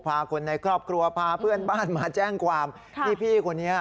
พาคนในครอบครัวพาเพื่อนบ้านมาแจ้งความพี่คนนี้